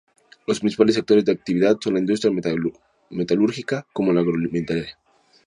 Los principales sectores de actividad son la industria metalúrgica como la agroalimentaria.